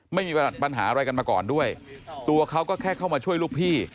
ไม่มีปัญหาอะไรกันมาก่อนด้วยตัวเขาก็แค่เข้ามาช่วยลูกพี่